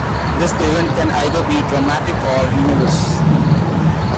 This event can either be dramatic or humorous.